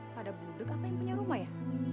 pada produk apa yang punya rumah ya